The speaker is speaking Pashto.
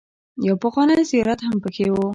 يو پخوانی زيارت هم پکې و.